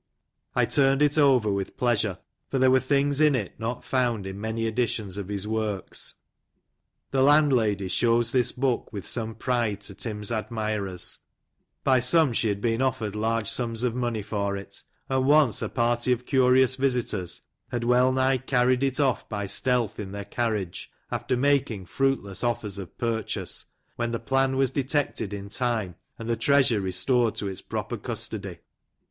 I turned it ever with pleasure, for there were things in it not found in many editions of his works. The landlady shows this book with some pride to Tim's admirers; by some she had been offered large sums of money for it ; and once a party of curious visitors had well nigh carried it off by stealth in their carnage, after making fruitless offers of purchase, when the plan was detected in time, and the treasure re stored to its proper custody.